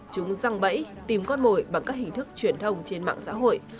chúng răng bẫy tìm con mồi bằng các hình thức truyền thông trên mạng xã hội